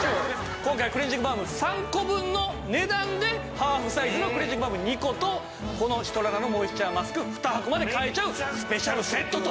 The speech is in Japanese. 今回クレンジングバーム３個分の値段でハーフサイズのクレンジングバーム２個とこのシトラナのモイスチャーマスク２箱まで買えちゃうスペシャルセットと。